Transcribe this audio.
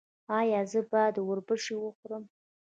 ایا زه باید اوربشې وخورم؟